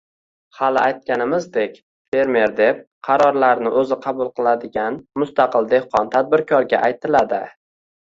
Hali aytganimizdek, «fermer» deb qarorlarni o‘zi qabul qiladigan mustaqil dehqon-tadbirkorga aytiladi.